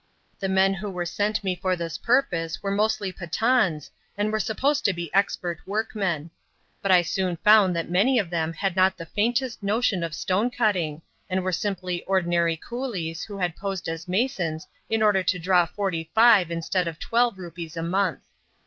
The men who were sent me for this purpose were mostly Pathans and were supposed to be expert workmen; but I soon found that many of them had not the faintest notion of stone cutting, and were simply ordinary coolies who had posed as masons in order to draw forty five instead of twelve rupees a month.